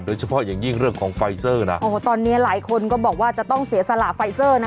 โดยเฉพาะอย่างยิ่งเรื่องของไฟเซอร์นะโอ้โหตอนนี้หลายคนก็บอกว่าจะต้องเสียสละไฟเซอร์นะ